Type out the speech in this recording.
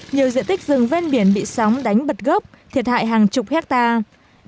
nhiều diện tích rừng ven biển bị sóng đánh bật gốc thiệt hại hàng chục hectare